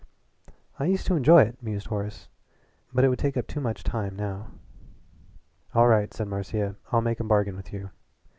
"I used to enjoy it," mused Horace, "but it would take up too much time now." "All right," said Marcia. "I'll make a bargain with you.